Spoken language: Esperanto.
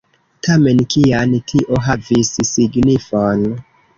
Tamen, kian tio havis signifon?